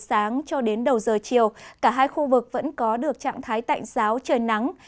sáng cho đến đầu giờ chiều cả hai khu vực vẫn có được trạng thái tạnh giáo trời nắng